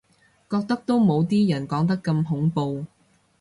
覺得都冇啲人講得咁恐怖